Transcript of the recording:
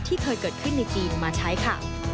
เคยเกิดขึ้นในปีมาใช้ค่ะ